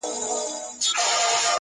ما لس كاله سلطنت په تا ليدلى-